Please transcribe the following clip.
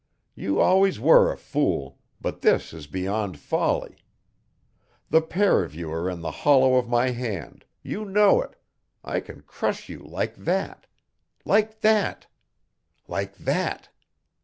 You always were a fool, but this is beyond folly the pair of you are in the hollow of my hand, you know it I can crush you like that like that like that!"